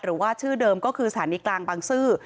หรือว่าชื่อเดิมก็คือสถานีกลางบางซื่อ